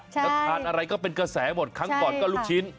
แล้วทานอะไรก็เป็นกระแสหมดครั้งก่อนก็ลูกชิ้น